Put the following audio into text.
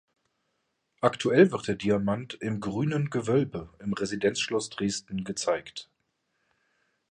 Aktuell wird der Diamant im „Grünen Gewölbe“, im Residenzschloss Dresden, gezeigt.